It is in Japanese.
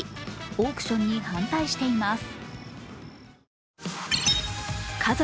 オークションに反対しています。